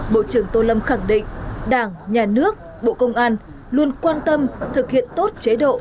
bộ trưởng tô lâm khẳng định đảng nhà nước bộ công an luôn quan tâm thực hiện tốt chế độ